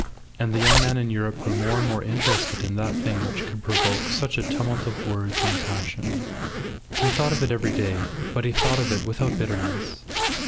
And the young man in Europe grew more and more interested in that thing which could provoke such a tumult of words and passion. He thought of it every day; but he thought of it without bitterness.